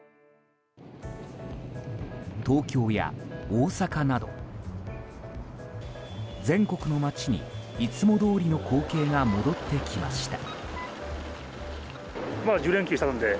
東京や大阪など、全国の街にいつもどおりの光景が戻ってきました。